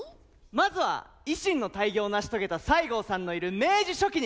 まずは維新の大業を成し遂げた西郷さんのいる明治初期に！